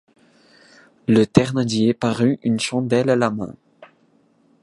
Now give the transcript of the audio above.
La Thénardier parut une chandelle à la main.